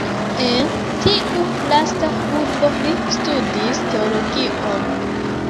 En tiu lasta urbo li studis teologion.